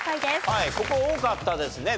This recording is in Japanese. はいここ多かったですね。